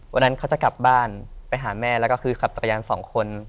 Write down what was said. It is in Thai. วันนั้นเขาจะกลับบ้านไปหาแม่แล้วก็คือขับจักรยานสองคน